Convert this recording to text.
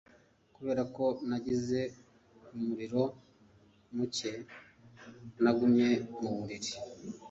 Kubera ko nagize umuriro muke, nagumye mu buriri.